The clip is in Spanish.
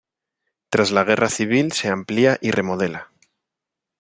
Tras la Guerra Civil se amplía y remodela.